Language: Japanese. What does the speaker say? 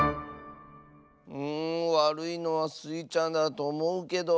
うんわるいのはスイちゃんだとおもうけど。